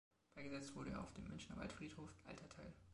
Beigesetzt wurde er auf dem Münchner Waldfriedhof, Alter Teil.